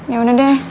ya udah deh